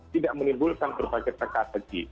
tidak menimbulkan berbagai strategi